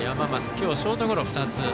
今日、ショートゴロ２つ。